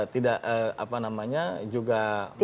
tidak apa namanya juga